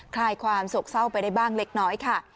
คลายความโศกเศร้าไปได้บ้างเล็กน้อยค่ะ